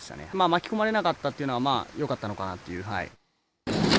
巻き込まれなかったっていうのは、まあよかったのかなという。